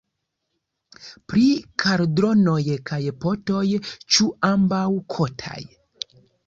Pri kaldronoj kaj potoj: ĉu ambaŭ kotaj?